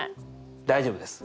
大丈夫です。